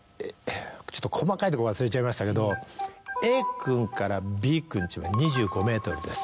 ちょっと細かいとこ忘れちゃいましたけどＡ君からＢ君家は２５ｍです。